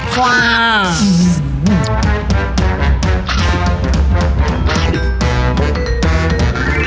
ความ